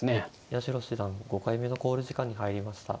八代七段５回目の考慮時間に入りました。